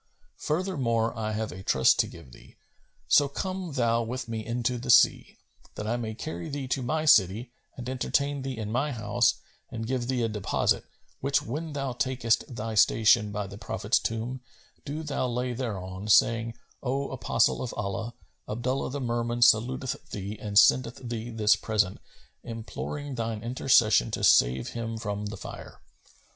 Furthermore I have a trust to give thee; so come thou with me into the sea, that I may carry thee to my city and entertain thee in my house and give thee a deposit; which when thou takest thy station by the Prophet's tomb, do thou lay thereon, saying, 'O apostle of Allah, Abdullah the Merman saluteth thee, and sendeth thee this present, imploring thine intercession to save him from the Fire.'"